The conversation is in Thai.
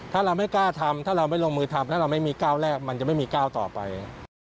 ถ้าเราไม่กล้าทำถ้าเราไม่ลงมือทำถ้าเราไม่มีก้าวแรกมันจะไม่มีก้าวต่อไป